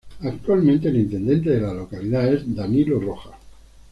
Actualmente el intendente de la localidad es Danilo Rojas.